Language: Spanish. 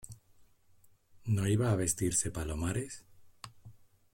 ¿ no iba a vestirse Palomares?